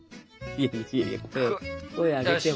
いやいや声上げても。